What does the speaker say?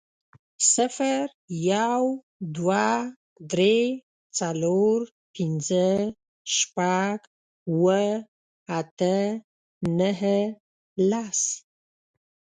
صفر، يو، دوه، درې، څلور، پنځه، شپږ، اووه، اته، نهه، لس